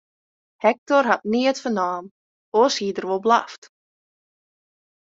Hektor hat neat fernommen, oars hie er wol blaft.